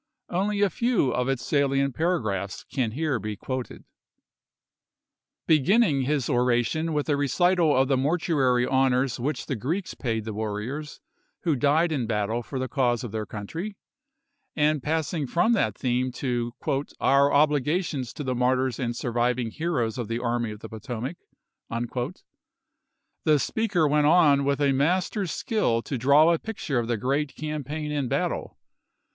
Only a few of its salient paragraphs can here be quoted. Beginning his oration with a recital of the mor tuary honors which the Greeks paid the warriors who died in battle for the cause of their country, and passing from that theme to " our obligations to the martyrs and surviving heroes of the Army of the Potomac," the speaker went on with a mas ter's skill to draw a picture of the great cam paign and battle.